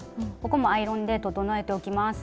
ここもアイロンで整えておきます。